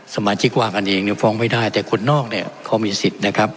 สมาชิกวาพันธ์เองเนี่ยฟ้องไม่ได้แต่คนนอกเนี่ยเขามีสิทธิ์นะครับ